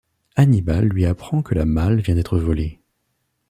Hannibal lui apprend que la malle vient d'être volée.